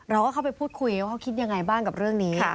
เราก็เข้าไปพูดคุยว่าเขาคิดยังไงบ้างกับเรื่องนี้